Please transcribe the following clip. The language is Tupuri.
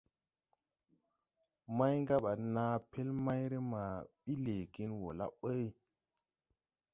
Màygabaa na pel mayrè ma bi leegen wo la ɓuy.